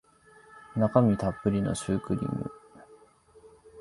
中身たっぷりのシュークリーム